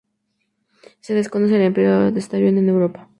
Se desconoce el empleo de este avión en Europa.